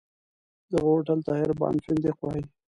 دغه هوټل ته عربان فندق وایي.